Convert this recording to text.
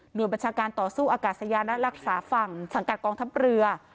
โดยบัญชาการต่อสู้อากาศยานและรักษาฝั่งสังกัดกองทัพเรือ